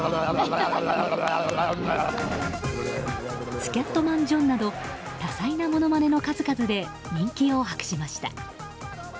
スキャットマン・ジョンなど多彩なものまねの数々で人気を博しました。